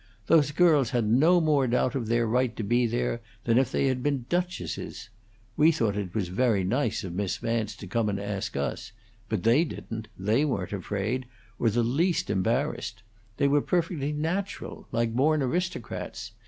Those girls had no more doubt of their right to be there than if they had been duchesses: we thought it was very nice of Miss Vance to come and ask us, but they didn't; they weren't afraid, or the least embarrassed; they were perfectly natural like born aristocrats.